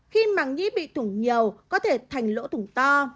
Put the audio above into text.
khi màng nhĩ bị thủng nhiều có thể thành lỗ thủng to